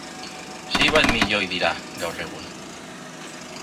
Sei bat milioi dira gaur egun.